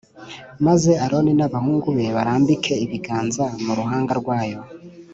maze Aroni n abahungu be barambike ibiganza mu ruhanga rwayo